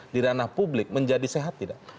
di ranah publik menjadi sehat tidak